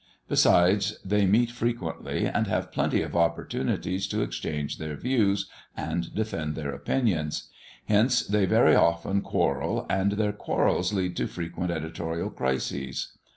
Besides, they meet frequently, and have plenty of opportunities to exchange their views and defend their opinions. Hence they very often quarrel, and their quarrels lead to frequent editorial crises.